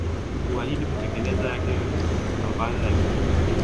uahidi kutekeleza yale yote ambayo yalifikiwa